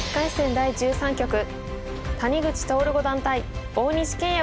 第１３局谷口徹五段対大西研也